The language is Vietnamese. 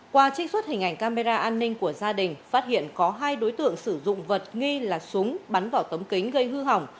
qua trích xuất hình ảnh camera an ninh của gia đình phát hiện có hai đối tượng sử dụng vật nghi là súng bắn vào tấm kính gây hư hỏng